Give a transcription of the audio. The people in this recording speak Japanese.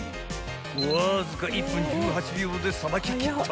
［わずか１分１８秒でさばききった］